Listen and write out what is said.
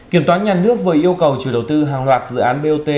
kiểm toán nhà nước vừa yêu cầu chủ đầu tư hàng loạt dự án bot